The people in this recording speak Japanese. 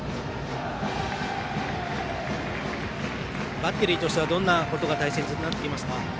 バッテリーとしてはどんなことが大切になってきますか。